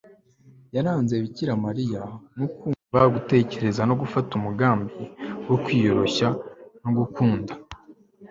yaranze bikira mariya nko kumva, gutekereza no gufata umugambi, kwiyoroshya no gukunda